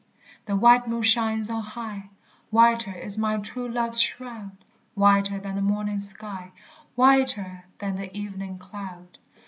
the white moon shines on high; Whiter is my true love's shroud, Whiter than the morning sky, Whiter than the evening cloud.